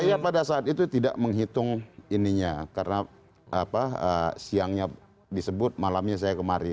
saya pada saat itu tidak menghitung ininya karena siangnya disebut malamnya saya kemari